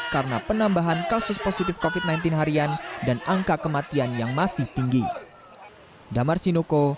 karena penambahan kasus positif covid sembilan belas harian dan angka kematian yang masih tinggi